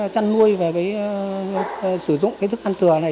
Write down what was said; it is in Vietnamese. chăn nuôi và sử dụng thức ăn thừa này